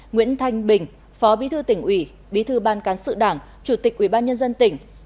nguyễn thanh bình phó bí thư tỉnh ủy bí thư ban cán sự đảng chủ tịch ủy ban nhân dân tỉnh